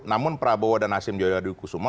namun prabowo dan hasim jodoh dukusumo